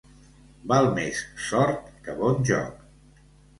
Val més sort que bon joc.